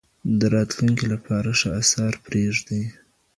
د راتلونکي لپاره ښه اثار پرېږدئ.